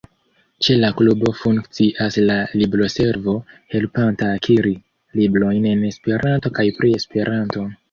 Ĉe la klubo funkcias la libroservo, helpanta akiri librojn en Esperanto kaj pri Esperanto.